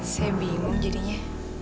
saya bingung jadinya